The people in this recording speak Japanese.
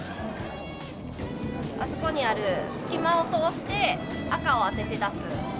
あそこにある隙間を通して赤を当てて出す。